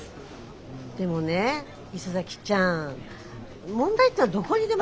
でもね磯崎ちゃん。問題ってのはどこにでも。